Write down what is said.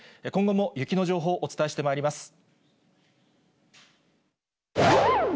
今後も雪の情報をお伝えしてまいります。